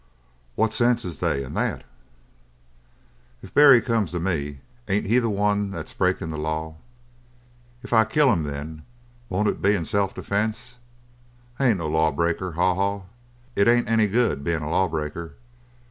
"What sense is they in that?" "If Barry comes to me, ain't he the one that's breakin' the law? If I kill him then, won't it be in self defense? I ain't no law breaker, Haw Haw. It ain't any good bein' a law breaker.